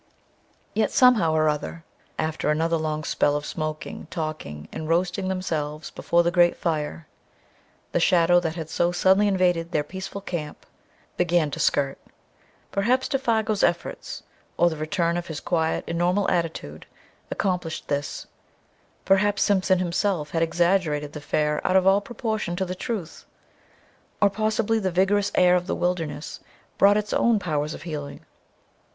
Yet, somehow or other, after another long spell of smoking, talking and roasting themselves before the great fire, the shadow that had so suddenly invaded their peaceful camp began to shift. Perhaps Défago's efforts, or the return of his quiet and normal attitude accomplished this; perhaps Simpson himself had exaggerated the affair out of all proportion to the truth; or possibly the vigorous air of the wilderness brought its own powers of healing.